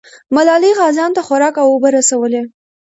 ملالۍ غازیانو ته خوراک او اوبه رسولې.